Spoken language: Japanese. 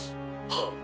はっ。